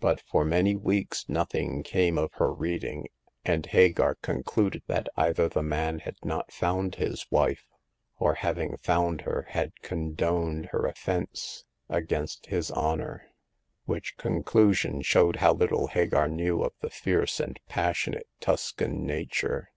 But for many weeks nothing came of her reading, and Hagar concluded that either the man had not found his wife, or, having found her, had con doned her offense against his honor. Which conclusion showed how little Hagar knew of the fierce and passionate Tuscan nature.